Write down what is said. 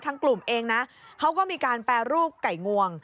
กลุ่มเองนะเขาก็มีการแปรรูปไก่งวง